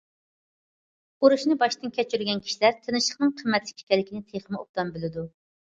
ئۇرۇشنى باشتىن كۆچۈرگەن كىشىلەر، تىنچلىقنىڭ قىممەتلىك ئىكەنلىكىنى تېخىمۇ ئوبدان بىلىدۇ.